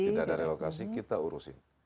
tidak ada relokasi kita urusin